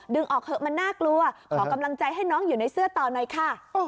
ออกเถอะมันน่ากลัวขอกำลังใจให้น้องอยู่ในเสื้อต่อหน่อยค่ะ